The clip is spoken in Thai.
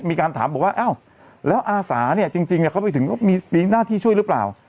มีการถามบอกว่าอ้าวแล้วอาสาเนี่ยจริงเขาไปถึงเขามีหน้าที่ช่วยหรือเปล่า